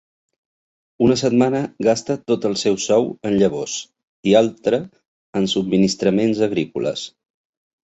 Una setmana gasta tot el seu sou en llavors i altre en subministraments agrícoles.